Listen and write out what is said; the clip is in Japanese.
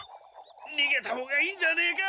にげた方がいいんじゃねえか？